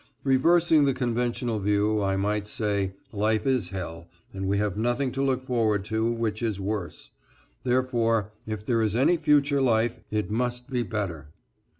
Reversing the conventional view I might say, "Life is hell, and we have nothing to look forward to which is worse, therefore if there is any future life, it must be better."